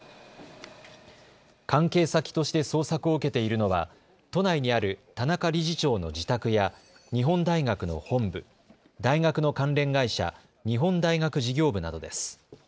関係先として捜索を受けているのは都内にある田中理事長の自宅や日本大学の本部、大学の関連会社、日本大学事業部などです。